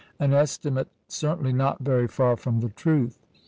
an estimate certainly not very far from the truth.